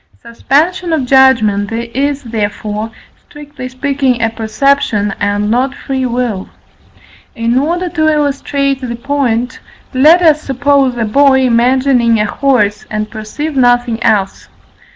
Suspension of judgment is, therefore, strictly speaking, a perception, and not free will. In order to illustrate the point, let us suppose a boy imagining a horse, and perceive nothing else.